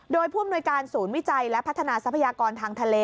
โดยผู้อำนวยการศูนย์วิจัยและพัฒนาทรัพยากรทางทะเล